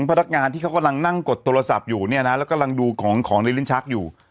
พนักงานที่เขากำลังนั่งกดโทรศัพท์อยู่เนี่ยนะแล้วกำลังดูของของในลิ้นชักอยู่